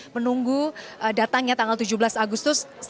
menunggu datangnya tanggal tujuh belas agustus